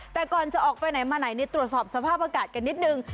แต่ก่อนจะออกไปไหนมาไหนตรวจสอบสภาพอากาศกันนิดนึง